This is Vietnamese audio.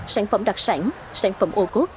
sản phẩm đặc sản sản phẩm ô cốt